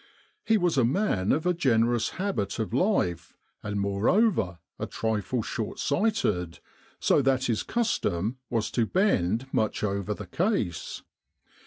He was a man of a generous habit of life, and moreover a trifle short sighted, so that his custom was to bend much over the case.